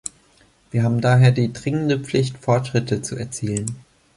Wir haben daher die dringende Pflicht, Fortschritte zu erzielen.